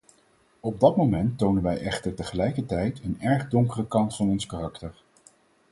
Op dat moment tonen wij echter tegelijkertijd een erg donkere kant van ons karakter.